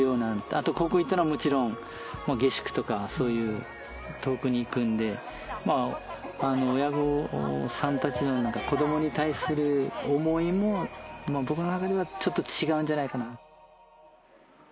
あと高校へ行ったらもちろんもう下宿とかそういう遠くに行くのでまあ親御さんたちなんか子どもに対する思いもまあ僕の中ではちょっと違うんじゃないかな。